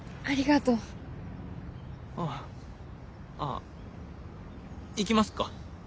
あ行きますか。